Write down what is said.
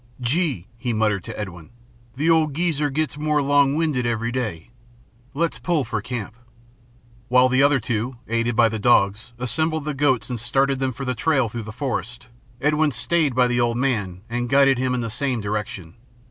"Gee!" he muttered to Edwin, "The old geezer gets more long winded every day. Let's pull for camp." While the other two, aided by the dogs, assembled the goats and started them for the trail through the forest, Edwin stayed by the old man and guided him in the same direction.